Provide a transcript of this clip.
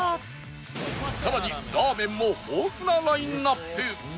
さらにラーメンも豊富なラインアップ